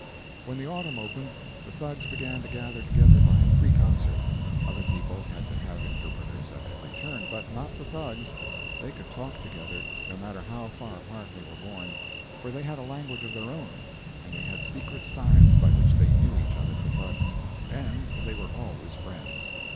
When the autumn opened, the Thugs began to gather together by pre concert. Other people had to have interpreters at every turn, but not the Thugs; they could talk together, no matter how far apart they were born, for they had a language of their own, and they had secret signs by which they knew each other for Thugs; and they were always friends.